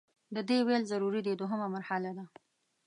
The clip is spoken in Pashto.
د دې ویل ضروري دي دوهمه مرحله ده.